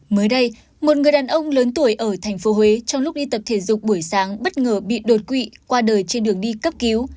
mới đây một người đàn ông lớn tuổi ở thành phố huế trong lúc đi tập thể dục buổi sáng bất ngờ bị đột quỵ qua đời trên đường đi cấp cứu